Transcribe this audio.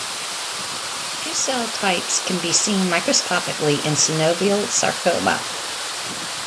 Two cell types can be seen microscopically in synovial sarcoma.